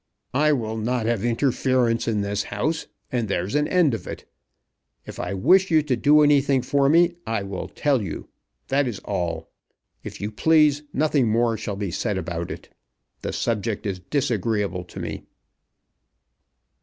"I will not have interference in this house, and there's an end of it. If I wish you to do anything for me I will tell you. That is all. If you please nothing more shall be said about it. The subject is disagreeable to me."